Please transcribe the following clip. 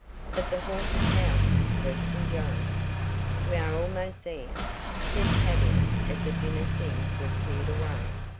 "But the haunted house?" questioned Joe. "We are almost there," said Tavia as the dinner things were cleared away.